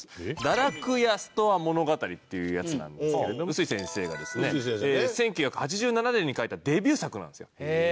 『だらくやストア物語』っていうやつなんですけれども臼井先生がですね１９８７年に描いたデビュー作なんですよ。